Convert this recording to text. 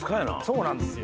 そうなんですよ。